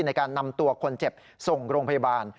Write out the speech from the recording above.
ในการนำตัวคนเจ็บส่งโรงพยาบาล